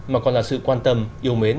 mà còn là sự quan tâm yêu mến